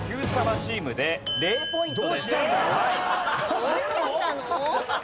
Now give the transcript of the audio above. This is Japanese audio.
どうしちゃったの？